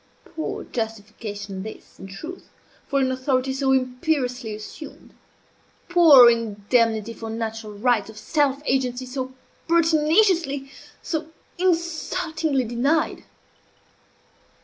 Poor justification this, in truth, for an authority so imperiously assumed! Poor indemnity for natural rights of self agency so pertinaciously, so insultingly denied!